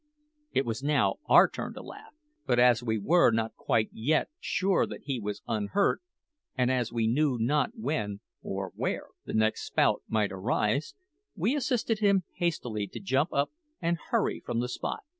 It was now our turn to laugh; but as we were not yet quite sure that he was unhurt, and as we knew not when or where the next spout might arise, we assisted him hastily to jump up and hurry from the spot.